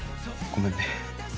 ごめんね。